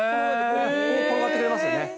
転がってくれますよね。